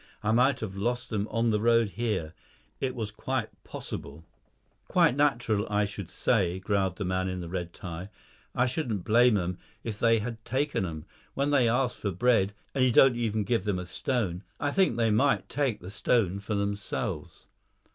I might have lost them on the road here. It was quite possible." "Quite natural, I should say," growled the man in the red tie. "I shouldn't blame 'em if they had taken 'em. When they ask for bread, and you don't even give them a stone, I think they might take the stone for themselves."